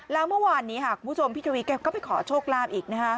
แล้วเมื่อวานนี้ค่ะคุณผู้ชมพี่ทวีแกก็ไปขอโชคลาภอีกนะฮะ